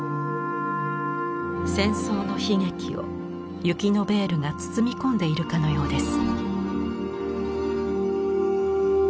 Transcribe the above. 戦争の悲劇を雪のベールが包み込んでいるかのようです。